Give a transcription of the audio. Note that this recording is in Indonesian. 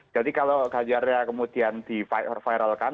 jadi kalau ganjarnya kemudian diviralkan